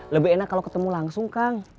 lebih enak kalau ketemu langsung kang